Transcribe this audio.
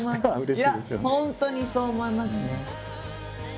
いや本当にそう思いますね。